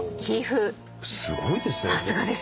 すごいですね。